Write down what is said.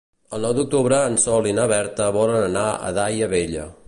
El nou d'octubre en Sol i na Berta volen anar a Daia Vella.